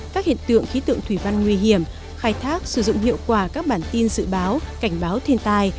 các hiện tượng khí tượng thủy văn nguy hiểm khai thác sử dụng hiệu quả các bản tin dự báo cảnh báo thiên tai